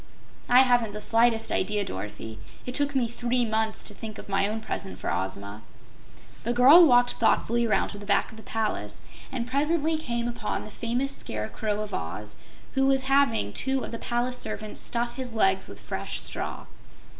"I haven't the slightest idea, Dorothy. It took me three months to think of my own present for Ozma." The girl walked thoughtfully around to the back of the palace, and presently came upon the famous Scarecrow of Oz, who has having two of the palace servants stuff his legs with fresh straw.